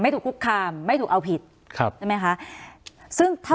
ถูกคุกคามไม่ถูกเอาผิดครับใช่ไหมคะซึ่งถ้า